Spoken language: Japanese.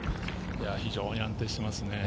非常に安定していますね。